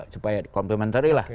supaya complementary lah